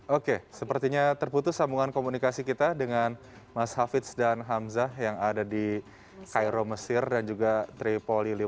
oke sepertinya terputus sambungan komunikasi kita dengan mas hafiz dan hamzah yang ada di cairo mesir dan juga tripolili